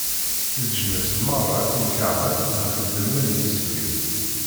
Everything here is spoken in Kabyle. Leǧnas meṛṛa ad ken-keṛhen ɣef ddemma n yisem-iw.